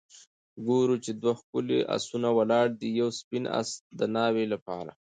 ګورو چې دوه ښکلي آسونه ولاړ دي ، یو سپین آس د ناوې لپاره